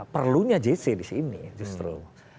perlunya jc disini justru